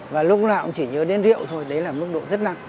và lúc nào cũng chỉ nhớ đến rượu thôi đấy là mức độ rất nặng